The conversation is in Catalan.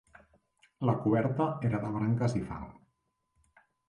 La coberta era de branques i fang.